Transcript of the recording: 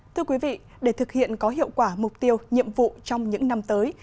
thưa quý vị để thực hiện có hiệu quả mục tiêu nhiệm vụ trong những năm tới